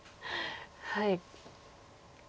はい。